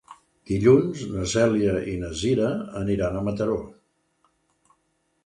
Dilluns na Cèlia i na Cira aniran a Mataró.